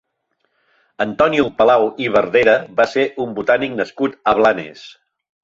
Antonio Palau i Verdera va ser un botànic nascut a Blanes.